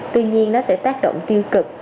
tuy nhiên nó sẽ tác động tiêu cực